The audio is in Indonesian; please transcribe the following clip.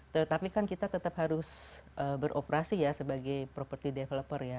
tetapi kan kita tetap harus beroperasi ya sebagai property developer ya